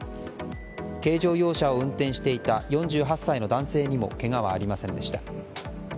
軽乗用車を運転していた４８歳の男性にもけがはありませんでした。